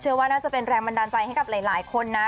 ว่าน่าจะเป็นแรงบันดาลใจให้กับหลายคนนะ